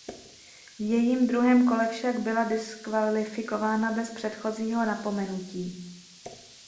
V jejím druhém kole však byla diskvalifikována bez předchozího napomenutí.